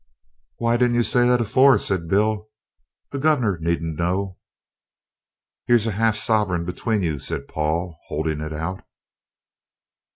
"Why didn't you say that afore?" said Bill; "the Guv'nor needn't know." "Here's half a sovereign between you," said Paul, holding it out.